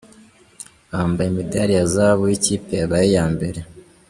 Bamabaye imidari ya zahabu y’ikipe ya mbere.